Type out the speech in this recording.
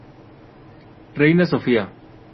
Reina Sofía.